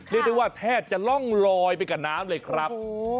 เรียกได้ว่าแทบจะล่องลอยไปกับน้ำเลยครับ